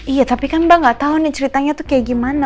iya tapi kan mbak gak tau nih ceritanya tuh kayak gimana